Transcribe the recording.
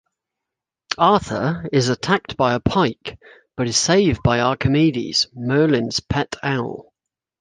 Arthur is attacked by a pike but is saved by Archimedes, Merlin's pet owl.